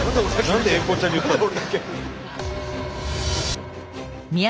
何で英孝ちゃんに言ったの？